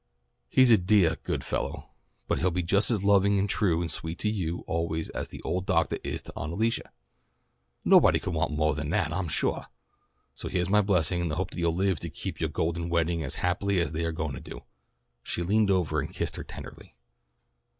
"He's a deah, good fellow, and he'll be just as loving and true and sweet to you always as the old Doctah is to Aunt Alicia. Nobody could want moah than that I'm suah. So heah's my blessing and the hope that you'll live to keep yoah Golden Wedding as happily as they are going to do." She leaned over and kissed her tenderly.